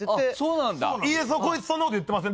こいつそんなこと言ってません。